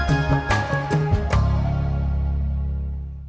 tengah seperti kita